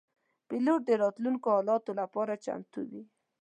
پیلوټ د راتلونکو حالاتو لپاره چمتو وي.